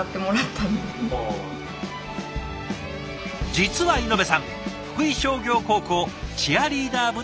実は猪部さん福井商業高校チアリーダー部の出身。